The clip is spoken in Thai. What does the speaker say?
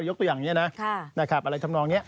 ยกตัวอย่างนี้นะอะไรทำนองนี้